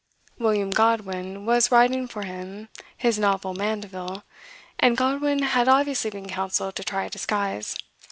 William Godwin was writing for him his novel "Mandeville," and Godwin had obviously been counselled to try a disguise.